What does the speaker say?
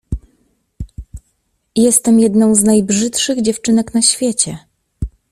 Jestem jedną z najbrzydszych dziewczynek na świecie.